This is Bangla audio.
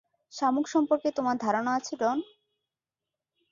শামুক সম্পর্কে তোমার ধারণা আছে, ডন?